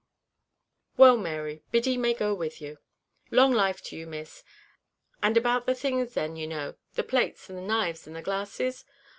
"Well, Mary, Biddy may go with you." "Long life to you, Miss; and about the things then you know the plates, and the knives, and the glasses?"